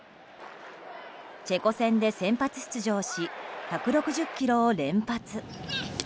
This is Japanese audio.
チェコ戦で先発出場し１６０キロを連発。